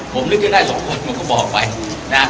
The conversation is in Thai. ผมลึกขึ้นได้สองคนผมก็บอกไปนะครับ